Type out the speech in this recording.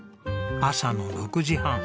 朝の６時半。